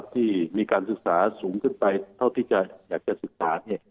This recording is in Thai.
ที่มีการศึกษาสูงขึ้นไปเท่าที่จะอยากจะศึกษา